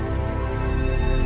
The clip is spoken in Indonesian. ya udah deh